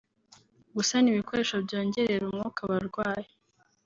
gusana ibikoresho byongerera umwuka abarwayi